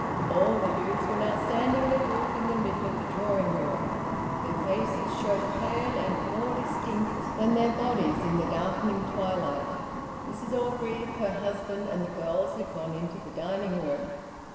All the youths were now standing in a group in the middle of the drawing room. Their faces showed pale and more distinct than their bodies in the darkening twilight. Mrs Orgreave, her husband, and the girls had gone into the dining room.